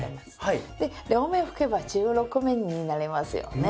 で両面拭けば１６面になりますよね。